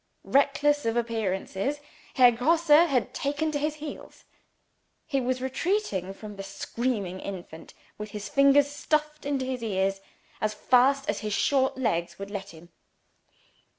Reckless of appearances, Herr Grosse had taken to his heels. He was retreating from the screeching infant (with his fingers stuffed into his ears), as fast as his short legs would let him.